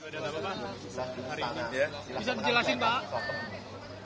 bisa dijelasin pak